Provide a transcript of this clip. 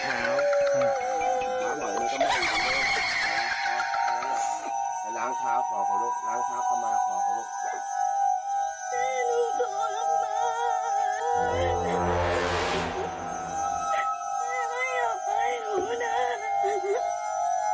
แม่ไม่อยากให้หนูนะ